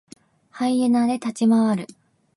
ハイエナで立ち回る。